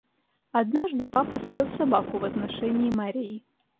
Однажды папа съел собаку в отношении морей.